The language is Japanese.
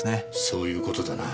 そういう事だな。